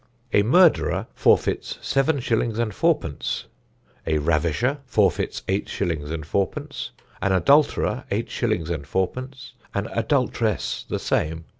"A murderer forfeits seven shillings and fourpence; a ravisher forfeits eight shillings and fourpence; an adulterer eight shillings and fourpence; an adultress the same.